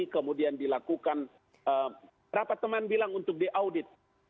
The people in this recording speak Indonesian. kemudian dilakukan rapat teman bilang untuk diaudit